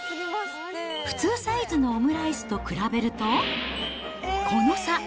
普通サイズのオムライスと比べると、この差。